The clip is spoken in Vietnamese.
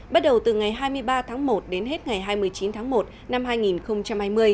bắt đầu từ ngày hai mươi ba tháng một đến hết ngày hai mươi chín tháng một năm hai nghìn hai mươi